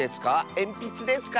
えんぴつですか？